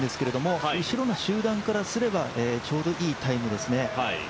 ちょっと早いと思うんですけど、後ろの集団からすればちょうどいいタイムですね。